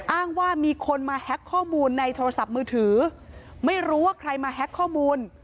อ้างว่ามีคนมาแฮ็กข้อมูลในโทรศัพท์มือถือไม่รู้ว่าใครมาแฮ็กข้อมูล